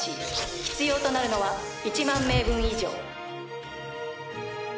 必要となるのは一万名分以上。